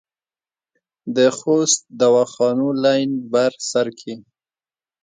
د خوست دواخانو لین بر سر کې